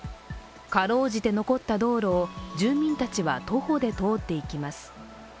かろうじて残った道路を住民たちは徒歩で通っていきます。